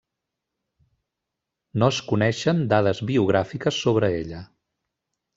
No es coneixen dades biogràfiques sobre ella.